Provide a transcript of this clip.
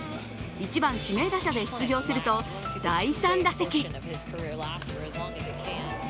１番・指名打者で出場すると第３打席。